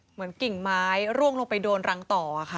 กิ่งไม้ร่วงลงไปโดนรังต่อค่ะ